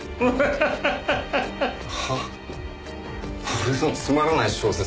俺のつまらない小説